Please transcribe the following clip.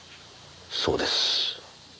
そうです。